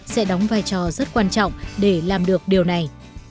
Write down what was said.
sẽ đóng vai trò rất quan trọng để làm được điều này